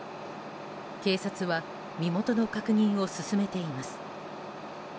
警察は身元の確認を進めています。